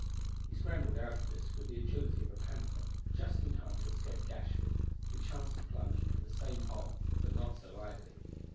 He scrambled out of this with the agility of a panther, just in time to escape Gashford, who chanced to plunge into the same hole, but not so lightly.